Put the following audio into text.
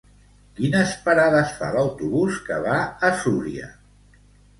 Quines parades fa l'autobús que va a Súria?